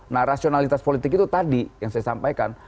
nah rasionalitas politik itu tadi yang saya sampaikan